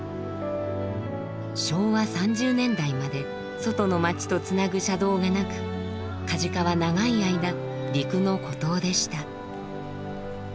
昭和３０年代まで外の町とつなぐ車道がなく梶賀は長い間陸の孤島でした。